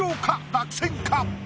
落選か？